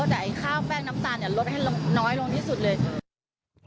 แต่ไอ้ข้าวแป้งน้ำตาลลดให้น้อยลงที่สุดเลย